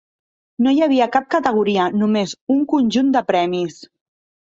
No hi havia cap categoria, només un conjunt de premis.